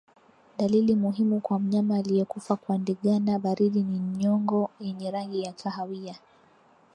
Dalili muhimu kwa mnyama aliyekufa kwa ndigana baridi ni nyongo yenye rangi ya kahawia